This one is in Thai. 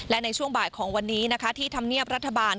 และในช่วงบ่ายของวันนี้ที่ทำเนียบรัฐบาล